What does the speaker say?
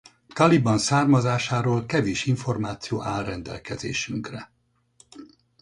Caliban származásáról kevés információ áll rendelkezésünkre.